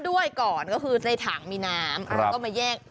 ด้วยก่อนก็คือในถังน้ำเขามาแยก